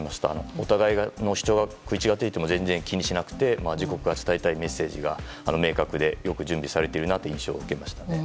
お互いの主張が食い違っていても全然気にしなくて自国が伝えたいメッセージが明確でよく準備されている印象を受けました。